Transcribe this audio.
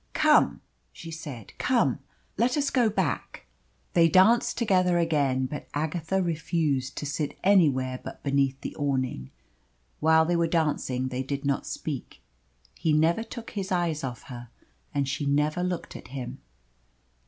"Come," she said. "Come let us go back." They danced together again, but Agatha refused to sit anywhere but beneath the awning. While they were dancing they did not speak. He never took his eyes off her, and she never looked at him.